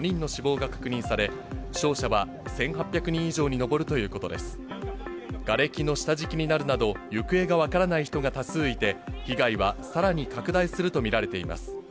がれきの下敷きになるなど、行方が分からない人が多数いて、被害はさらに拡大すると見られています。